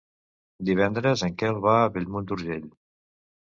Divendres en Quel va a Bellmunt d'Urgell.